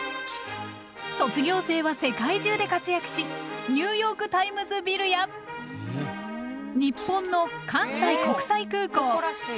卒業生は世界中で活躍しニューヨークタイムズビルや日本の関西国際空港。